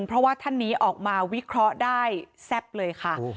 เพราะว่าท่านนี้ออกมาวิเคราะห์ได้แซ่บเลยค่ะ